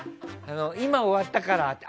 今、終わったからって。